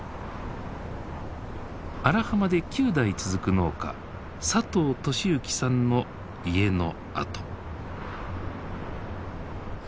荒浜で９代続く農家佐藤利幸さんの家の跡。